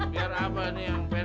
biar abah nih yang beres